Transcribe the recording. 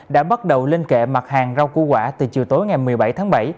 đã bắt đầu lên kệ mặt hàng rau củ quả từ chiều tối ngày một mươi bảy tháng bảy